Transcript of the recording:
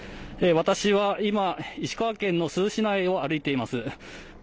私は今、石川県の珠洲市内を歩いています。